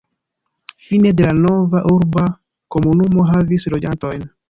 Fine de la nova urba komunumo havis loĝantojn.